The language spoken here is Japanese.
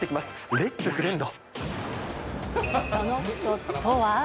レッツフレンド！